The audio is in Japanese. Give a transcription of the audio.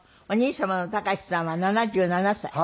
お兄様の孝さんは７７歳。